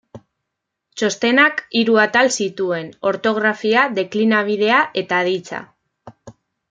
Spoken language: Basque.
Txostenak hiru atal zituen: ortografia, deklinabidea eta aditza.